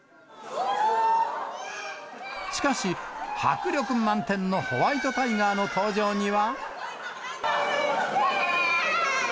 しかし、迫力満点のホワイトタイガーの登場には。